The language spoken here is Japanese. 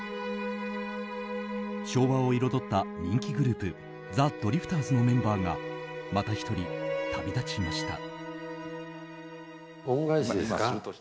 昭和を彩った人気グループザ・ドリフターズのメンバーがまた１人、旅立ちました。